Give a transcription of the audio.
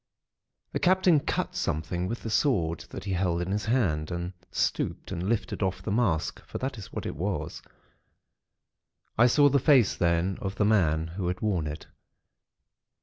The Captain cut something with the sword that he held in his hand, and stooped and lifted off the mask; for that is what it was. I saw the face then of the man who had worn it.